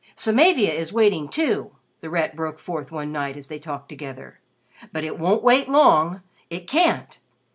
"Samavia is 'waiting' too," The Rat broke forth one night as they talked together, "but it won't wait long it can't.